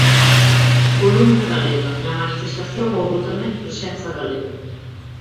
Columna Galega: Na manifestación houbo tamén presenza galega.